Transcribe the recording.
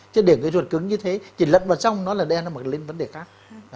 chứ để cái ruột cứng như thế thì lận vào xong nó là đen mà lên vấn đề khác